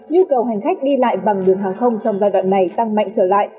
nhu cầu hành khách đi lại bằng đường hàng không trong giai đoạn này tăng mạnh trở lại